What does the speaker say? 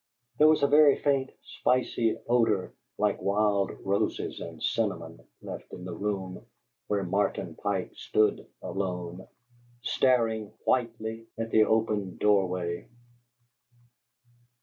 There was a very faint, spicy odor like wild roses and cinnamon left in the room where Martin Pike stood alone, staring whitely at the open doorway.